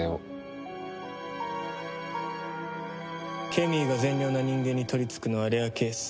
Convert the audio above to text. ケミーが善良な人間に取り憑くのはレアケース。